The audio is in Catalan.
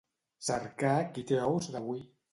Cercar qui té ous d'avui.